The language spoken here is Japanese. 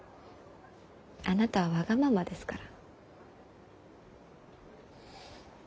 あなたはわがままですから。